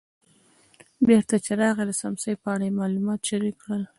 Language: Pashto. بېرته چې راغی د څمڅې په اړه یې معلومات شریک کړل.